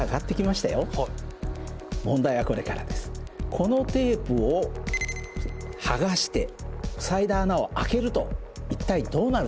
このテープを剥がして塞いだ穴を開けると一体どうなるでしょう？